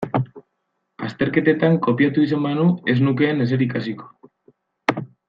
Azterketetan kopiatu izan banu ez nukeen ezer ikasiko.